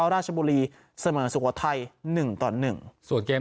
ราชบุรีเสมอสุโกะไทยหนึ่งต่อหนึ่งส่วนเกม